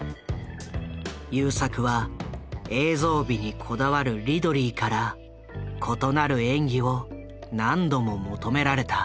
優作は映像美にこだわるリドリーから異なる演技を何度も求められた。